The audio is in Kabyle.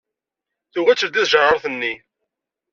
Tugi ad teldey tjeṛṛaṛt-nni.